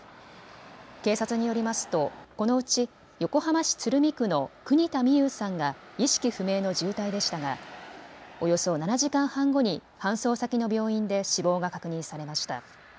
警察によりますとこのうち横浜市鶴見区の國田美佑さんが意識不明の重体でしたがおよそ７時間半後に搬送先の病院で死亡が確認されました。